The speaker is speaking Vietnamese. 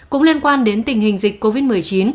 cũng liên quan đến tình hình dịch covid một mươi chín